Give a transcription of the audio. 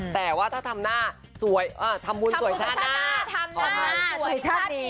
แต่ว่าถ้าทำหน้าสวยอ่าทำวุนสวยชาติหน้าทำหน้าสวยชาตินี้